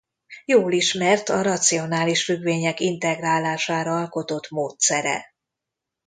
Jól ismert a racionális függvények integrálására alkotott módszere.